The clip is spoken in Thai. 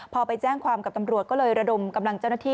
พอไปแจ้งความกับตำรวจก็เลยระดมกำลังเจ้าหน้าที่